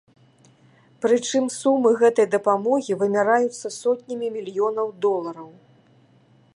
Прычым, сумы гэтай дапамогі вымяраюцца сотнямі мільёнаў долараў.